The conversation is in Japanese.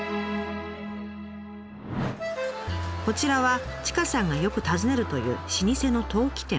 こちらは千賀さんがよく訪ねるという老舗の陶器店。